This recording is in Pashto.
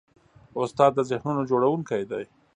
استاد د ذهنونو جوړوونکی دی.